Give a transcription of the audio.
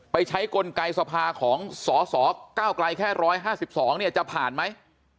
ไปใช้กลไกสภาของสสเก้าไกลแค่๑๕๒เนี่ยจะผ่านไหม